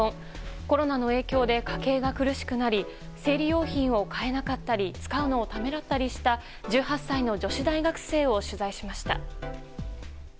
コロナの影響で家計が苦しくなり生理用品を買えなかったり使うのをためらったりした１８歳の女子大学生を取材しました。